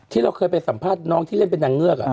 ที่เราเคยไปสัมภาษณ์น้องที่เล่นเป็นนางเงือก